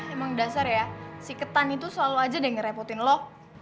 emang dasar ya si ketan itu selalu aja deh ngerepotin lo